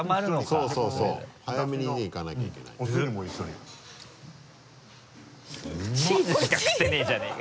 早めにねいかなきゃいけない。